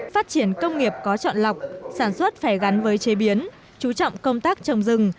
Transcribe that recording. phát triển công nghiệp có chọn lọc sản xuất phải gắn với chế biến chú trọng công tác trồng rừng